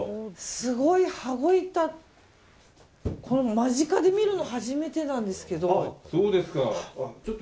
すごい羽子板間近で見るの初めてなんですけど。